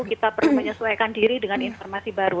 kita perlu menyesuaikan diri dengan informasi baru